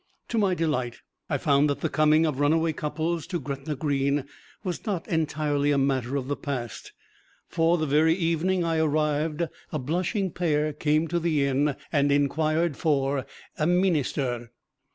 To my delight I found that the coming of runaway couples to Gretna Green was not entirely a matter of the past, for the very evening I arrived a blushing pair came to the inn and inquired for a "meenister."